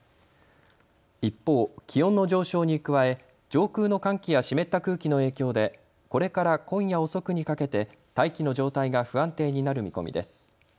一方、気温の上昇に加え上空の寒気や湿った空気の影響でこれから今夜遅くにかけて大気の状態が不安定になる見込みです。